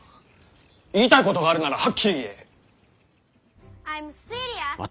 言いたいことがあるならはっきり言え！